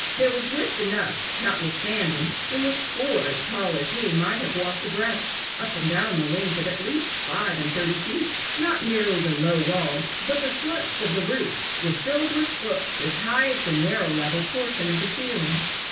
There was width enough notwithstanding, in which four as tall as he might have walked abreast up and down a length of at least five and thirty feet. Not merely the low walls, but the slopes of the roof were filled with books as high as the narrow level portion of the ceiling.